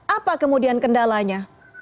apa kemudian kendalanya